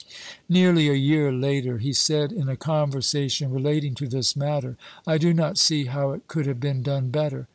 Nearly a year later he said in a conversation re lating to this matter : "I do not see how it could have been done better.